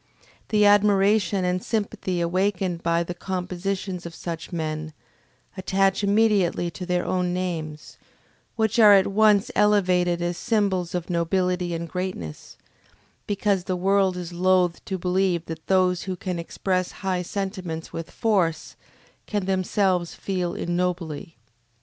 The admiration and sympathy awakened by the compositions of such men, attach immediately to their own names, which are at once elevated as symbols of nobility and greatness, because the world is loath to believe that those who can express high sentiments with force, can themselves feel ignobly.